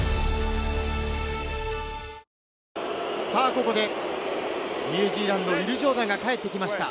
ここでニュージーランド、ウィル・ジョーダンが帰ってきました。